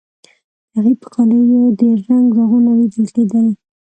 د هغې په کالیو د رنګ داغونه لیدل کیدل